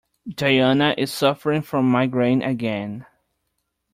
Diana is suffering from migraine again.